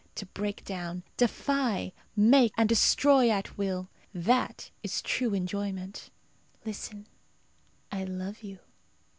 To break down, defy, make and destroy at will, that is true enjoyment. Listen, I love you."